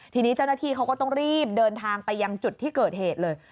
ทีนี้เจ้าหน้าที่เขาก็ต้องรีบเดินทางไปยังจุดที่เกิดเหตุเลย